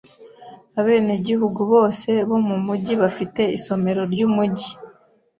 Abenegihugu bose bo mumujyi bafite isomero ryumujyi.